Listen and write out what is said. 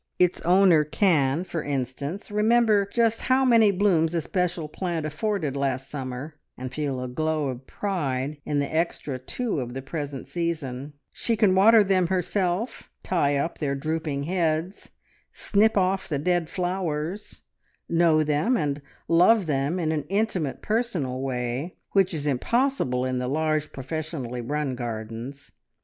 Its owner can, for instance, remember just how many blooms a special plant afforded last summer, and feel a glow of pride in the extra two of the present season; she can water them herself, tie up their drooping heads, snip off the dead flowers, know them, and love them in an intimate, personal way which is impossible in the large, professionally run gardens.